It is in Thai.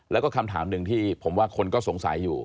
แล้วก็คำถามหนึ่งที่ผมว่าคนก็สงสัยอยู่